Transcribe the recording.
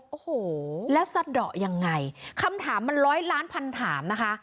โอ้โหแล้วสะดอกยังไงคำถามมันร้อยล้านพันถามนะคะ